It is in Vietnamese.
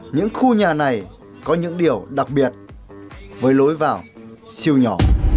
những khu nhà này có những điều đặc biệt với lối vào siêu nhỏ